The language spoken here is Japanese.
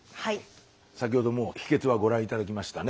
先ほどもう秘けつはご覧頂きましたね。